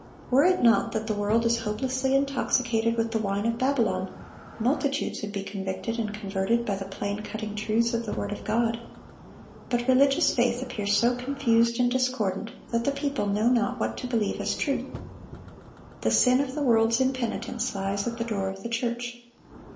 Were it not that the world is hopelessly intoxicated with the wine of Babylon, multitudes would be convicted and converted by the plain, cutting truths of the word of God. But religious faith appears so confused and discordant, that the people know not what to believe as truth. The sin of the world's impenitence lies at the door of the church.